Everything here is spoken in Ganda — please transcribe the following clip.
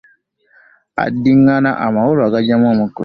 Addingana amawolu y'agaggyako omukutto .